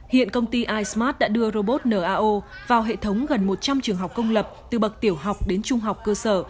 hiện công ty ismart đã đưa robot nao vào hệ thống gần một trăm linh trường học công lập từ bậc tiểu học đến trung học cơ sở